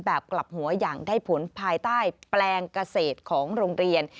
กลับหัวอย่างได้ผลภายใต้แปลงเกษตรของโรงเรียน